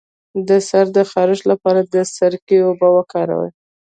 د سر د خارښ لپاره د سرکې اوبه وکاروئ